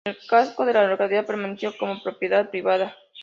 El casco de la localidad permaneció como propiedad privada.